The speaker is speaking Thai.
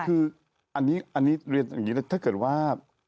คืออันนี้เรียนแบบนี้ถ้าเกิดว่า